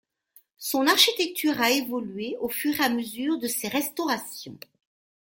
Son architecture a évolué au fur et à mesure de ses restaurations.